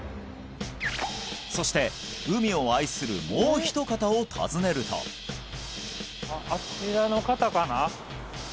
そして海を愛するもうひとかたを訪ねるとあっあちらの方かな？